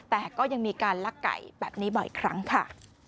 แต่ก็ยังมีการลักไก่แบบนี้บ่อยครั้งค่ะ